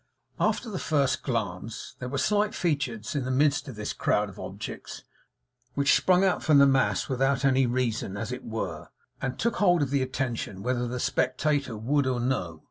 After the first glance, there were slight features in the midst of this crowd of objects, which sprung out from the mass without any reason, as it were, and took hold of the attention whether the spectator would or no.